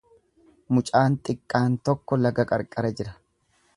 Mucaan xiqqaan tokko laga qarqara jira.